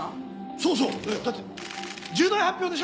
そうそう。えっだって重大発表でしょ。